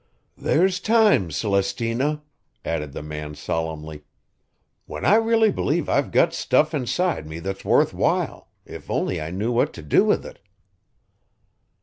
There's times, Celestina," added the man solemnly, "when I really believe I've got stuff inside me that's worth while if only I knew what to do with it."